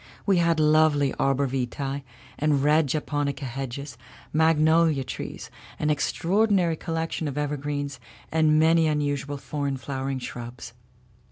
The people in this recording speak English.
We had lovely arborvitae and red japonica hedges, magnolia trees, an extraordinary collection of evergreens, and many unusual foreign flowering shrubs.